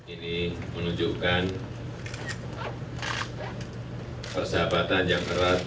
ini menunjukkan persahabatan yang berat